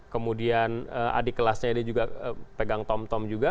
kemudian adik kelasnya dia juga pegang tom tom juga